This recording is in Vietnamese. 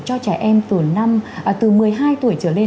cho trẻ em từ một mươi hai tuổi trở lên